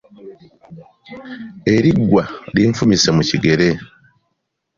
Eriggwa linfumise mu kigere.